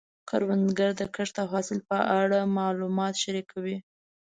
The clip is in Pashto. کروندګر د کښت او حاصل په اړه معلومات شریکوي